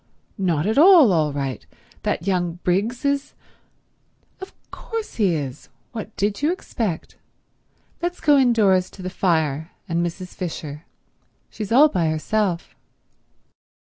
"Not at all all right. That young Briggs is—" "Of course he is. What did you expect? Let's go indoors to the fire and Mrs. Fisher. She's all by herself."